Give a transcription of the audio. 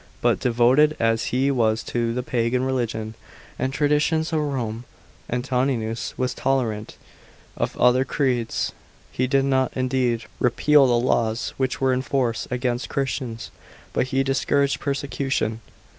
But devoted as he was to the Pagan religion and traditions of Rome, Antoninus was tolerant of other creeds. He did not indeed repeal the laws which were in force against Christians, but he discouraged persecution.!